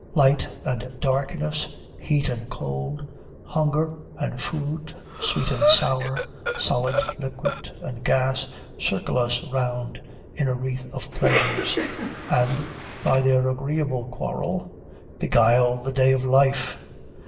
Light and darkness, heat and cold, hunger and food, sweet and sour, solid, liquid, and gas, circle us round in a wreath of pleasures, and, by their agreeable quarrel, beguile the day of life.